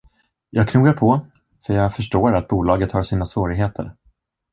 Jag knogar på, för jag förstår att bolaget har sina svårigheter.